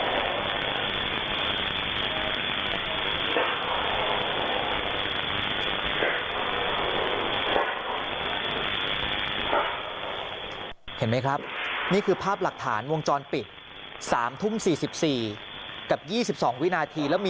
แล้วมีเสียงปืนดังสนั่นและมีเสียงปืนดังสนั่นและมีเสียงปืนดังสนั่น